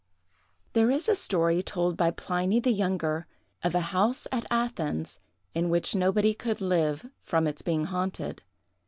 There is a story told by Pliny the younger, of a house at Athens, in which nobody could live, from its being haunted.